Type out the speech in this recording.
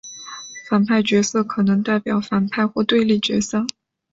反派角色可能代表反派或对立角色。